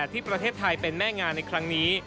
ที่ประเทศไทยเป็นแม่งานในครั้งนี้